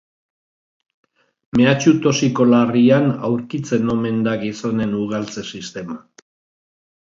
Mehatxu toxiko larrian aurkitzen omen da gizonen ugaltze sistema.